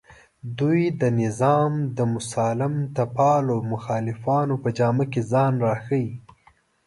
دوی د نظام د مسالمتپالو مخالفانو په جامه کې ځان راښیي